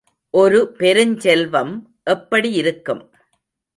ஒரு பெருஞ்செல்வம் எப்படி இருக்கும்?